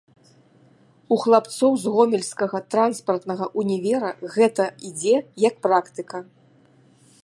У хлапцоў з гомельскага транспартнага ўнівера гэта ідзе, як практыка.